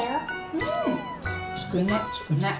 うんつくねつくね。